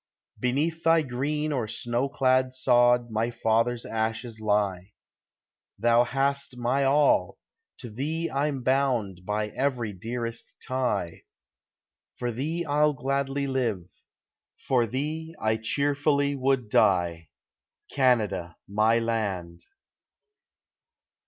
Beneath thy green or snow clad sod My fathers' ashes lie; Thou hast my all, to thee I'm bound By every dearest tie; For thee I'll gladly live, for thee I cheerfully would die, Canada, my land.